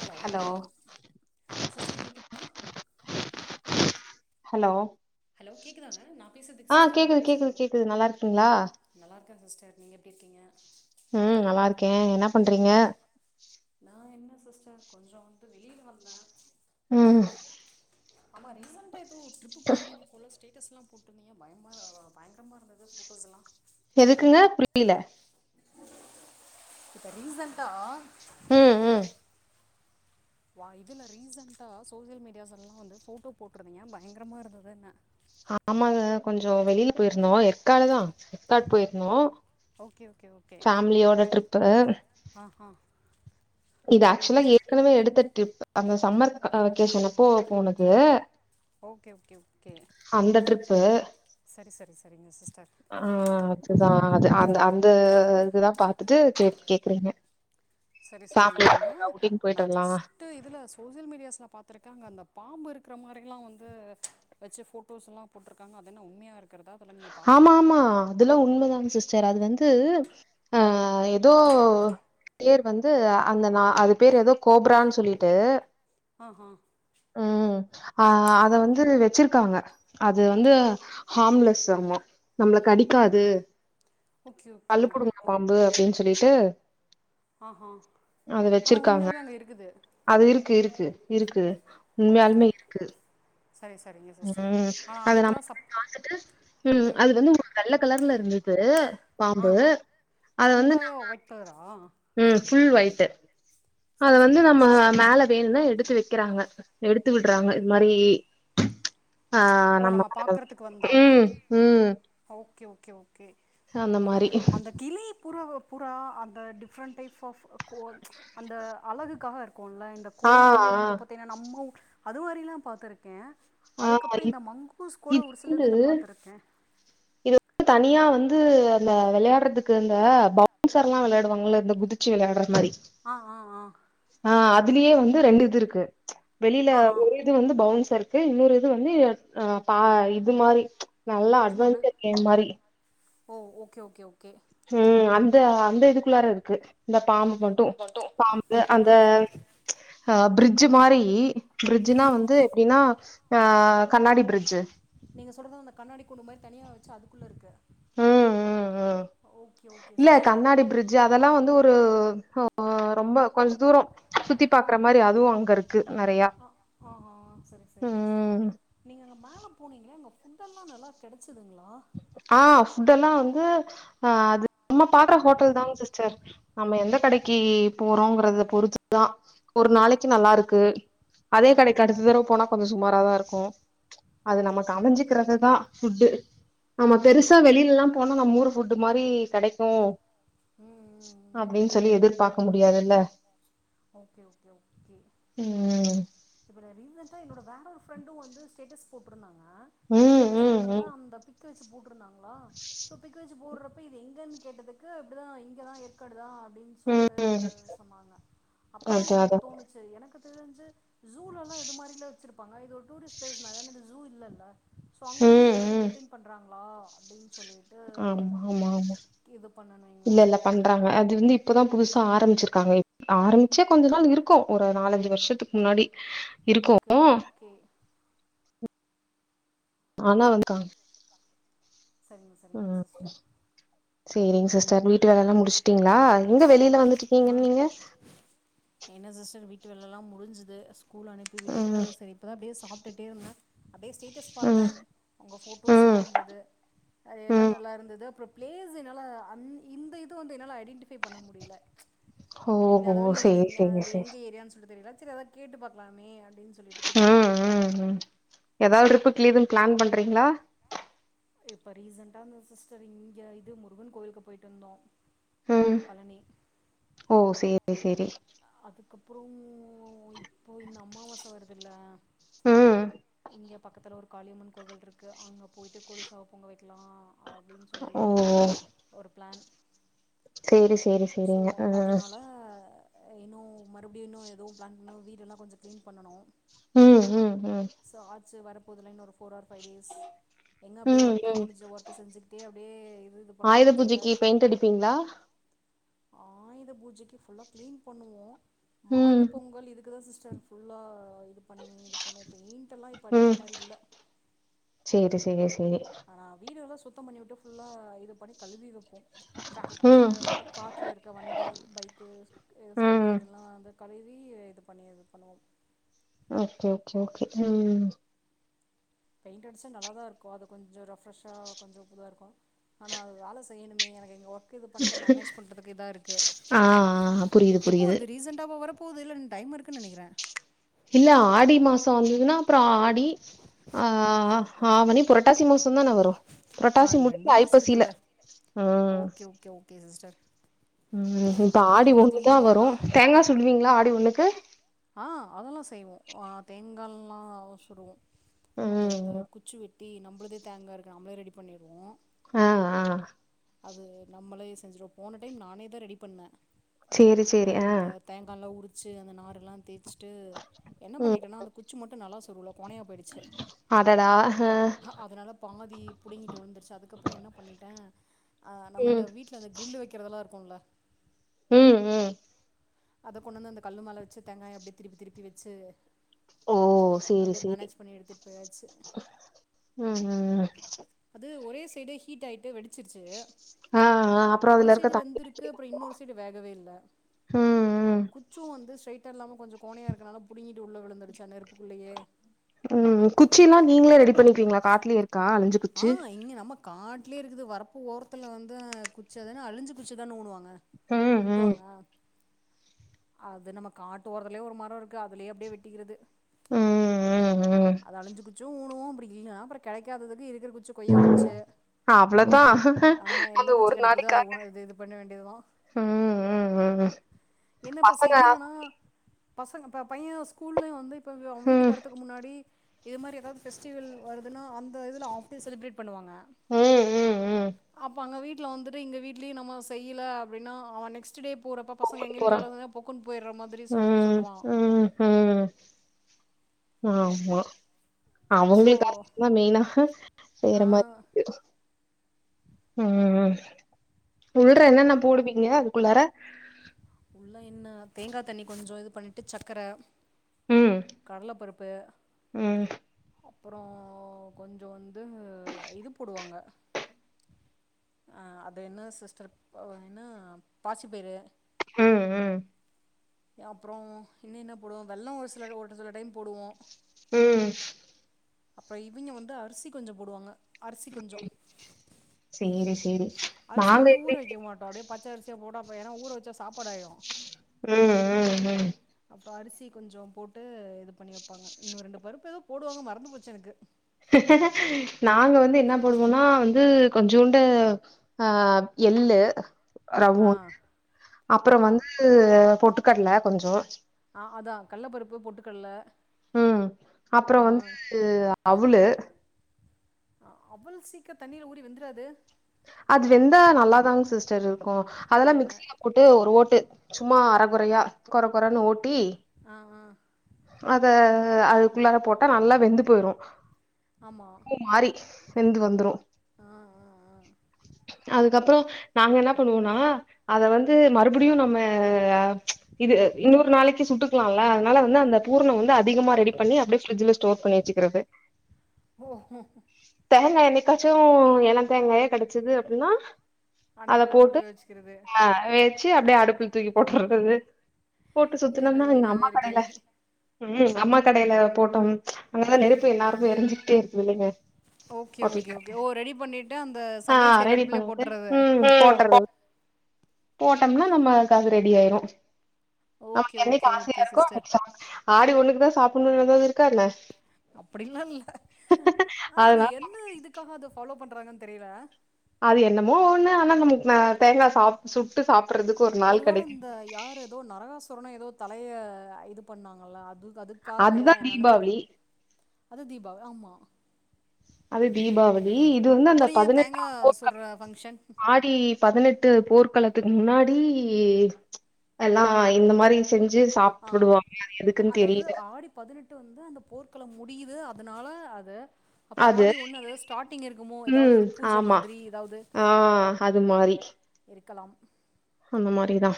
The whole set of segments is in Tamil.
ஹலோ சிஸ்டர் கேக்குதுங்ளா ஹலோ ஹலோ கேக்குதாங்க நா பேசறது ஆ சிஸ்டர் நீங்க கேக்குது பேசறது கேக்குது கே கேக்குது நல்லா இருக்கீங்களா நல்லா இருக்க சிஸ்டர் நீங்க எப்டி இருக்கீங்க ம் நல்லா இருக்கே என்ன பண்றீங்க நா என்ன சிஸ்டர் கொஞ்சோ வந்து வெளியில வந்த ம் ஆமா ரீசெண்ட்டா ஏதோ ட்ரிப்பு போயிருந்தீங்க போல ஸ்டே ட்டஸ்லா போட்டுருந்தீங்க பயமா பயங்கரமா இருந்தது ஃபோட்டோஸ் எல்லா எதுக்குங்க புரில இப்ப ரிசென்ட்டா ம் ம் ஓ இதுல ரீசெண்ட்டா சோசியல் மீடியாஸ் எல்லா வந்து ஃபோட்டோ போட்டுருதீங்க பயங்கரமா இருந்துதுன்ன ஆமாங்க கொஞ்சோ வெளியில போயிருந்தோ எற்காடு தா எற்காடு போயிருந்தோ ஓகே ஓகே ஓ ஃபேமிலியோட ட்ரிப்பு ஆ ஹா இது ஆக்சுவலா ஏற்கனவே எடுத்த ட்ரிப்பு அந்த சம்மர் வெகேஷன் அப்போ போனது ஓகே ஓகே ஓகே அந்த ட்ரிப்பு சரி சரி சரிங்க சிஸ்டர் ஆ அதுதா அது அந்த அந்த இதுதா பாத்துட்டு கே கேக்குறீங்க சரி சரிங்க அங்க ஃபேமிலியோட அவுட்டிங் போயிட்டு நான் வரலா ஜஸ்ட் ட்டு இதுல சோசியல் மீடியாஸ்ல பாத்துருக்கா அங்க அந்த பாம்பு இருக்கற மாதிரிலா வந்து வச்சு போட்டோஸ்ல்லா போட்ருக்காங்க அது என்ன உண்மையா இருக்கறதா ஆமா ஆமா அதுலா உண்மதானா சிஸ்டர் அது வந்து ஆ ஏதோ பேர் வந்து அந்த நா அது பேர் ஏதோ கோப்ரான்னு சொல்லிட்டு ஆ அ ஆ அத வந்து வச்சிருக்காங்க அது வந்து ஹார்ம்லெஸ் ஆம நம்மள கடிக்காது ஓகே, ஓகே. ஓ பள்ளுபுடுங்கனா பாம்பு அப்படின்னு சொல்லிட்டு ஆஹா! அத ஆனா வச்சிருக்காங்க உண்மையாலுமே அங்க இருக்குது அது இருக்கு இருக்கு இருக்கு ஓகே ஓகே சரி சரிங்க சிஸ்டர். உம் ஆனா அத நம அதுக்கெல்லாம் சப் பா்த்துட்டு உம் அது வந்து வெள்ள கலர்ல இருந்தது பாம்பு ஆஹா! அத வந்து ஃபுல்லாவே நம்ம ஒயிட் கலரா? ம் ஃபுல் ஒயட்டு அத சரி வந்து சரிங்க நம்ம சிஸ்டர். மேல வேணும்னா எடுத்து வைக்கிறாங்க எடுத்து விடுறாங்க இது மாதிரி ஆ ஓ நம்ம மேல பார்க்கறதுக்கு வந்தா. வந்து உம் ம் ஓகே ஓகே ஓகே சோ அந்த மாதிரி அந்த கிளி புற புற அந்த டிஃப்ரெண்டட் டைப் ஆஃப் கோ அந்த அழகுக்காக கோல இந்த ஆ கோழியே வந்து பாத்தீங்கன்னா நம்ம அது மாதிரல்லா பார்த்திருக்கேன் ஆ ஆ அதுக்கப்பற அப்புறம் இந்த மங்கோவ்ஸ் கூட இது ஒரு சில வந்து இதில்ல பார்த்துருக்கே தனியா வந்து அந்த விளையாடுறதுக்கு இந்த பவுன்சர் எல்லாம் விளையாடுவாங்கள இந்த குதிச் சு விளையாடுற மாரி ஆ ஆ ஆ ஆ அதுலயே வந்து ரெண்டு இது இருக்கு வெளியில ஆஹா இது வந்து பவுன்ஸ் இருக்கு இன்னொரு இது வந்து அ பா இது மாதிரி சும்மா அப்படியே ஓ ஓகே ஓகே ஓகே ம் அந்த அந்த இதுக்குள்ளார இருக்கு இந்த பாம்பு மட்டும் பாம்பு ஓ அந்த அ பிரிட்ஜ் மாரி பிரிட்ஜுனா வந்து எப்படின்னா ஆ கண்ணாடி பிர்ட்ஜ் நீங்க சொல்றத அந்த கண்ணாடி குண்டு மாதிரி தனியா வச்சு அதுக்குள்ள இருக்கு ம் ம் ம் ஓகே ஓகே இல்ல சிஸ்டர் கண்ணாடி பிரிட்ஜ் அதெல்லா வந்து ஒரு ரொம்ப கொஞ்ச தூரம் சுத்தி பாக்குற மாதிரி அதுவு அங்க இருக்கு நிறைய ஆ ஆ சரிங்க சரிங்க சிஸ்டர் நீங்க அங்க மேல போனீங்கலே அங்க பூட் எல்லா நல்லா கிடைச்சிதுங்களா ஆ ஃபுட் எல்லாம் வந்து ஆ அது நம்ம பாக்குற ஹோட்டல் தா சிஸ்டர் நம்ம எந்த கடைக்கு போறோங்கறத பொறுத்துதா ஒரு நாளைக்கு நல்லா இருக்கு அதே கடைக்கு அடுத்த தடவ போனா கொஞ்சம் சுமார தா இருக்கும் அது ஓகே நம்ம க ஓகே ஓகே அமைஞ்சுக்கிறதுதா ஃபுட்டு நம்ம பெருசா வெளியிலல்லா போன நம்ம ஊர் புட் மாதிரி கிடைக்கும் ம் அப்படின்னு சொல்லி எதிர்பார்க்க முடியாதுல்ல ஓகே ஓகே ஓகே ம் இப்ப ரீசென்டா என்னோட வேற ஒரு ஃப்ரெண்டு வந்து ஸ்டேட்டஸ் போட்ருந்தாங்க ம் ஸ்டேட்டஸ் ம் போட்டதுல ம் அந்த பிக் க்கு வச்சு போட்டுருந்தாங்ளா சோ பிக் வச்சு போடுறப்ப இது எங்கன்னு கேட்டதுக்கு இப்டிதா இங்கதா ஏற்காடுதா அப்டின்னு ம் சொல்ட்டு சொன்னாங்க அப்பதா அதா எனக்கு அதா தோணுச்சு எனக்கு தெரிஞ்சு ஜூலலா இது மாரில்லா வச்சருப்பாங்க இது டூரிஸ்ட்பிளேஸ் மேலே இது ஜூ இல்லல்ல சோ அங்கயு இது ம் மாரி ம் மெயின்டெயின் பண்றாங்களா அப்டின்னு சொல்லிட் ஆமா ஆமா ஆமா பண்ணணுங்களா இல்லல்ல பண்றாங்க அது வந்து இப்பதா புதுசா ஆரம்பிச்சிருக்காங்க ஆரம்பிச்சே கொஞ்சோ நாள் இருக்கு ஒரு நாலஞ்சு வருஷோத்துக்கு முன்னாடி இருக்கு ஓகே ஓகே ஓகே ஆனா வந்துக்கா சரிங்க சரிங்க சிஸ்டர் சேரிங் சிஸ்டர் வீட்டு வேல எல்லா முடிச்சுட்டீங்ளா எங்க வெளியில ஆ வந்துட்ருக்கீங்கன்னு நீங்க என்ன சிஸ்டர் வீட்டு வேல எல்லா முஞ்சுது ஸ்கூல் அனுப்பி விட்டுட்டு ம் சரி இப்ப தா அப்டியே சாப்பிட்டுட்டே இருந்த அப்டியே ஸ்டேட்டஸ் பாத்தே ம் உங்க போட்டோஸ்ல்லா ம் இருந்தது அது எல்லா ம் நல்லா இருந்தது அப்றோ பிளேஸ் என்னால அந் இந்த இது வந்து என்னால ஐடென்டிஃபை பண்ண முடியல ஓ அது ஓ அதாவுது நீ சேரி நீங்க சேரி அது சேரி எங்க ஏரியான்னு சொல்லிட்டு தெரில சரி அத கேட்டு பாக்கலாமே அப்டின்னு சொல்லிட்டு கூப்ட்ட எதாவுது ரிப்புக்குலீதுனு பிளான் பண்றிங்ளா இப்ப ரீசனென்டாங்க சிஸ்டர் இங்க இது முருகன் கோயிலுக்கு போயிட்டு வந்தோ ம் ஓ சேரி சேரி அதுக்கப்றோ இப்போ இந்த அமாவாச வருதுல்ல ம் இங்க பக்கத்துல ஒரு காளியம்மன் கோவில் இருக்கு அங்க போயிட்டு கோழிசாவ பொங்க வைக்கலா அப்டின்னு சொல் ஓ சொல்லிட்டு ஒரு பிளான் சேரி சேரி சோ சேரிங்க ஆ அதுனால இன்னு மறுபடியு இன்னு எதுவு பிளான் பண்ணணு வீடு எல்லா கொஞ்சோ க்ளீன் பண்ணணு ம் ம் ம் சோ ஆச்சு வரப்போதுல்ல இன்னு ஒரு ஃபோர் ஆர் பைவ் டேஸ் எங்க அப்டியே ம் ஒர்க் ம் முடிஞ்ச ஒர்க் செஞ்சுக்கிட்டே அப்டியே இது பண்ணவு கொஞ்சோ இதா இருக்கு ங்கிங்ளா ஆயுத பூஜைக்கு ஃபுல்லா கிளீன் பண்ணுவோ ம் மாட்டு பொங்கல் இதுக்குதா சிஸ்டர் ஃபுல்லா இது பண்ணி இது பண்ணுவோ பெயிண்ட் எல்லா ம் சேரி சேரி சேரி ஆனா வீடுகள சுத்தோ பண்ணிவுட்டு ஃபுல்லா இது பண்ணி கழுவி வைப்போ ட்ராக்ட்ரு ம் காட்ல இருக்க வண்டி பைக்கு ஸ்கூட்டி ம் இதெல்லா வந்து கழுவி இது பண்ணி இது பண்ணுவோ ஓகே ஓகே ஓகே ம் பெயிண்ட் அடிச்சா நல்லாதா இருக்கு அது கொஞ்சம் ரெஃப்ரெஷ்ஷா கொஞ்சோ புதுதா இருக்கு ஆனா அது வேலை செய்யணுமே எனக்கு இங்க ஒர்க் கு இது பண்ட்டு மேனேஜ் பண்றதுக்கு இதா இருக்கு ஆ ஆ புரியுது எப்போ புரியுது வருது ரீசண்டாவ வர போ போகது இல்ல டைம் இருக்குன்னு நெனக்கிறே இல்ல ஆடி மாசோ வந்ததுன்னா அப்றோ ஆடி ஆ ஆவணி புரட்டாசி மாசோ தானே வரு ஆ புரட்டாசி முடி ரெண்டு [inaudible] மாசம் ஐப்பசில இருக்குல்ல ம் ஓகே ஓகே ஓகே சிஸ்டர் உம் இப்ப நீங்க ஆடி ஃபுல்லா ஒண்ணு கிளீன் தா வரு பண்ணுவீங்களா தேங்கா சுடுவீங்ளா ஆடி ஒண்ணுக்கு ஆ அதல்லா செய்வோ ஆ தேங்கல்லா சுடுவோ அதந்த ம் குச்சி வெட் ட்டி நம்பளுதே தேங்கா இருக்கா நாம்ளே ரெடி பண்ணிடுவோ அ ஆ அது நம்மளே செஞ்சுரு போன டைம் நானே தா ரெடி பண்ணே சேரி சேரி ஆ அந்தத் தேங்காலா உரிச்சு அந்த நார்ருலான் ச்ட்டு என்ன ம் பண்ணிட்டேன்னா அந்த குச்சி மட்டு நல்லா சொருவுல கோனையா போய்டுச்சு டடா ஹு அதனால பாதி புடுங்கிட்டு விழ்ந்துருச்சு அதுக்கப்றோ என்னா பண்ணிட்டே ஆ நம்ம ம் இந்த வீட்லது இரு க்ரில்லு வக்கிறதல்லா இருக்குல ம் ம் அத கொண் வந்து அந்த கல்லு மேல வெச்சு தேங்காய அப்டி திருப்பி திருப்பி வெச்சு ஓ சேரி அப்டே சேரி மேனேஜ் பண்ணி எடுத்துட் போயாச்சு ம் ம் அது ஒரே சைடு ஹீட் ஆய்ட்டு வெடிச்சுர்ச்சு ஆ ஆ அப்புறோ ஒரு அதுல இருக்க சைடு வெந்துருக்கு தண்ணி அப்றோ இன்னொரு சைடு வேகவே இல்ல ம் ம் குத் ச்சு வந்து ஸ்ரைட் இல்லாம கொஞ்சு கோனையா இருக்கனால புடிங்கிட்டு உள்ள விழுந்துடுச்சா நெருப்புக்குள்ளயே உம் குச்சில்லா நீங்ளே ரெடி பண்ணிக்விங்ளா காட்லேயே இருக்கா அணஞ்சு ஆ இங்க நமக் காட்டுலேயே இருக்குது வரப்பு ஓரத்துல வந்து குச்சிதன அழிஞ்சு குச்சிதானு உணுவாங்க ம் ம் குத்துவாங்கா அது நம்ம காட்டு ஓரதுலே ஒரு மரோ இருக்கு அதுலயே அப்டியே வெட்டிக்கிறது ம் ம் ம் அது அழிஞ்சு குச்சு ஊணூ அப்டி இல்லன்னா அப்ற கெடைக்காததுக்கு இருக்குறு குச்சு கொய்யா குச்சு ஹா அவ்ளதா ஹு கிடைக்குதோ அத ஊன இது இது பண்ண வேண்டியதுதா ம் ம் என்ன ப பசங்க செய்யிலனா பசங்க ப பைய ஸ்கூல்யு வந்து இப்ப வ்யு அவ் வீட்டுக் ம் வரத்து முன்னாடி இது மாரி ஏதாவ் ஃபெஸ்டிவெல் வருதுன்னா அந்த இதுல ஆஃப்டே செலப்ரேட் பண்ணுவாங்க ம் ம் ம் அப்ப அங்க வீட் ட்லா வந்துட்டு இங்க வீட்லியி நம்ம செய்யில அப்டின்னா அவா நெக்ஸ்ட்டு டே போறப்பப் பசங்க ஸ்கூலுக்கு எங்க வீட்ல போறான் [unintelligible] பொக்குன் போய்ட்ற மாதிரி சொல்ட்டு சொல்லுவா ஹும் ஆமா சோ அவங்ளுக்கா தா மெய்னா ஹ வேற ஆ மார் ரு ம்ம்ம் உள்ற என்னன்ன போடுவீங்க அதுக்குள்ளாற உள்ள இன்ன தேங்கா தண்ணி கொஞ்சோ இது பண்ணிட்டு ச்சக்கர ம் கடலபருப்பு ம் அப்புறோ கொஞ்சோந்து இது போடுவாங்க அ அது என்ன சிஸ்டர் பொவைனா பாசி பயிறு ம் ம் அப்றோ இன்னி என்ன போடுவோ வெல்லம் ஒரு சிலரு ஒரு சில டைம் போடுவோ ம் அப்ற இவிங்க வந்து அரிசி கொஞ்சொ போடுவாங்க அரிசி கொஞ்சோ சேரி சேரி அரிசி நாங்க வந்து ஊற எப்டி வைக்க மாட்டோ அப்டே பச்சர்ஸ் கே போட்டா போ என்னா ஊற வச்சா சாப்பாடாயு ம் ம் ம் அப்றோ அரிசி கொஞ்சோ போட்டு இது பண்ணி வப்பாங்க இன்னு ரெண்டு பருப்பு எதோ போடுவாங்க மறந்து போச்சு எனக்கு நாங்க வந்து என்ன போடுவோனா வந்து கொஞ்சோண்டு ஆ எள்ளு ஆ ரவோ அப்புறோ ஆ வந்து பொட்டுக்கட்ல கொஞ்சோ ஆ அதா கள்ள பருப்பு பொட்டுகல்ல ம் அப்புறோ வந்து அவுலு அ அவல் சீக்க தண்ணீல ஊறி வெந்துராது அது வெந்தா நல்லாதாங் சிஸ்டர் இருக்கு அதெல்லா இல்லைண்ணே மிக்ஸில போட்டு ஒரு ஓட்டு சும்மா அரகொறையா கொற கொறன்னு ஓட்டி ஆ ஆ அத அதுக்குள்ளார போட்டா நல்லா வெந்து போய்ரு ஆமாம் பூ மாரி வெந்து வந்துரு ஆ ஆ ஆ அதுக்கப்றோ நாங்க என்ன பண்ணுவோனா அத வந்து மறுபுடியு நம்ம இது இன்னொரு நாளைக்கு சுட்டுக்லால அதுனால வந்து அந்த பூர்ணோ வந்து அதிகமா ரெடி பண்ணி அப்படியே ஃபிரிட்ஜுல ஸ்டோர் பண்ணிர் வச்சுக்கிரது ஓ தேங்கா என்னைகாச்சு எலந் தேங்காயா கெடச்சது அப்டினா அத அன்னைக்குள்ளே போட்டு வச்சுக்கிறது ஆ வெச்சு அப்டியே அடுப்புல் தூக்கி போட்றது இது போட்டு இது சுத்துனோனா நல்ல எங்க ஐடியாவே அம்மா இருக்கே கடேல ம் அம்மா கடேல போட்டோம் அங்கதா நெருப்பு என்நேரமு எரிஞ்சுக்ட்டே இருக்குதுல்லைங்க ஓகே ஓகே ஓகே ஓ ரெடி பண்ணிட்டு அந்த ஆ சமையல் செய்ற ரெடி அடுப்புலே போட்டுறது போட்டம்னா நம்ம அதுக் அது ரெடி ஆய்ரு ஓகே நமக்கு என்னைக் ஓகே ஆசையா ஓகே இருக்கோ சிஸ்டர் அன்னைக் சம ஆடி ஒண்ணுக்குதா சாப்புனு எதாது இருக்கா என்ன அப்புடிலா இல்ல ஆனா அது அதனால என்ன இதுக்காக அத ஃபாலோ பண்றாங்கன் தெரில அது என்னமோ ஒண்ணு ஆனா நம்மக் தேங்கா சாப் சுட்டு சாப்புறதுக் ஒருவேள இந்த யாரு எதோ நரகாசுரனோ எதோ தலைய இது பண்ணாங்கல அதுக் அதுக் காகையா அதுதான் என்னனு தீபாவளி தெரில் அது தீபாவ ஆமா அது தீபாவளி இது வந்து அந்த அப்பறு ஏ தேங்கா சுடுற பங்க்ஷன் ப்டி பதினெட்டு போர்க்களத்துக்கு முன்னாடி எல்லா இந்த மாரி செஞ்சு ஆ சாப்புடுவாங்க அது எதுக்குன் அதாவது தெரியில ஆடி பதினெட்டு வந்து அந்த போர்க்களம் முடியுது அதுனால அத அப்ப அது ஆடி ஒன்னு அதாது ஸ்டாட்டிங் இருக்குமோ எதாவ்து ம் ஒரு பூஜ ஆமா மாதிரி எதாவ்து ஆ அது மாரி இருக்கலாம் அந்த மாரிதா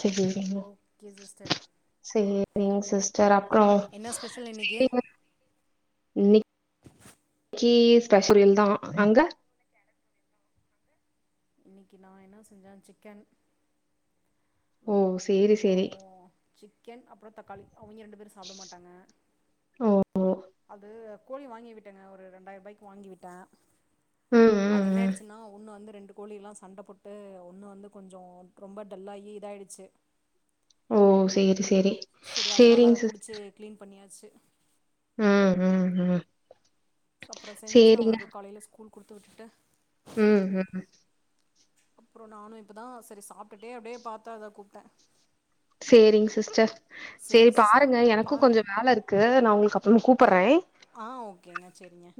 செர் சேரி ஓகே சிஸ்டர் சேரிங்க சிஸ்டர் அப்றோ என்ன ஸ்பெஷல் இன்னைக்கு செய்றீங்க இன்னை க்கி ஸ்பெஷல்தா அங்க இன்னைக்கு நா என்ன செஞ்ச சிக்கன் ஓ! சேரி, அப்புறோ சேரி. சிக்கன் அப்றோ தக்காளி அவிங்க ரெண்டு பேரு சாப்ட மாட்டாங்க ஒ அது கோழி வாங்கி விட்டேங்க ஒரு ரெண்டாய்ர்பாய்க்கு வாங்கிவிட்ட ம், அது ம், என்ன ம். ஆய்டுச்சுன்னா ஒன்னு வந்து ரெண்டு கோழிலா சண்ட போட்டு ஒன்னு வந்து கொஞ்சோ ரொம்ப டல்லாகி இதாய்டுச்சு ஓ சேரி சேரி செரி அதனால சேரிங்க அத சிஸ் புடிச்சி கிளீன் பண்ணியாச்சி ம் ம் ம் அப்பறோ செஞ்சி சேரிங்க. அவனுக்கு காலேல ஸ்கூல் குடுத்து விட்டுட்டு ம் ம் அப்பறோ நானு இப்பதா செரி சாப்ட்டுடே அப்டியே பாத்தே அதா கூப்ட்டே சேரிங்க சிஸ்டர் செரி சேரி சிஸ் பாருங்க எனக்கு பாருங்க கொஞ்சோ வேலை இருக்கு நா உங்களுக்கு அப்பறமா கூப்ட்றே ஆ ஓகேங்க செரிங்க